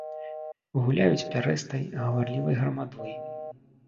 Гуляюць пярэстай, гаварлівай грамадой.